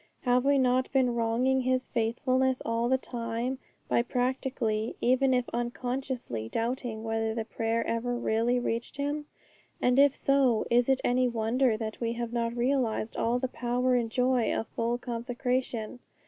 Have we not been wronging His faithfulness all this time by practically, even if unconsciously, doubting whether the prayer ever really reached Him? And if so, is it any wonder that we have not realized all the power and joy of full consecration?